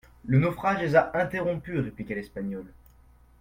Le naufrage les a interrompues, répliqua l'Espagnole.